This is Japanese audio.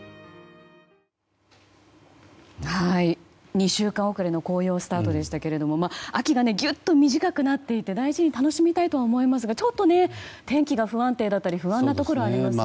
２週間遅れの紅葉スタートでしたけれども秋がギュッと短くなっていって大事に楽しみたいとは思いますがちょっと天気が不安定だったり不安なところはありますよね。